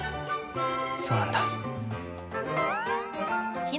そうなんだ。